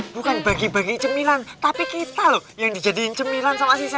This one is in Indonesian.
bukan bagi bagi cemilan tapi kita yang dijadiin cemilan sama si hantu itu tuh